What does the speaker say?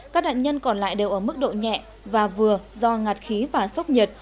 các nạn nhân còn lại đều ở mức độ nhẹ và vừa do ngạt khí và sốc nhiệt